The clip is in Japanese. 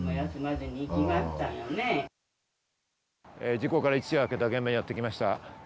事故から一夜明けた現場にやってきました。